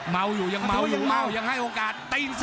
มัวอยู่ยังม้าวยังให้โอกาส